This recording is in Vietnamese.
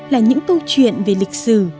là những câu chuyện về lịch sử